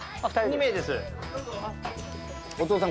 ２名です。